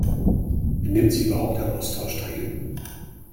Nimmt sie überhaupt am Austausch teil?